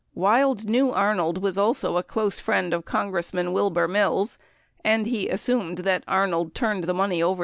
Wild knew Arnold was also a close friend of Congressman Wilbur Mills, and he assumed that Arnold turned the money over to the Mills campaign.